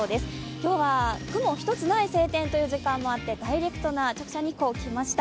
今日は雲一つない晴天という時間もあってダイレクトな直射日光がきました。